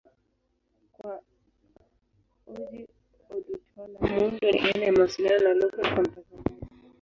Kwa Ojih Odutola, muundo ni aina ya mawasiliano na lugha kwa mtazamaji.